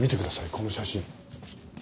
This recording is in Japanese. この写真。